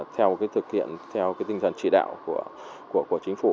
theo cái thực hiện theo cái tinh thần trị đạo của chính phủ